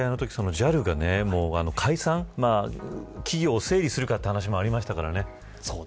ＪＡＬが企業を整理するという話もありました。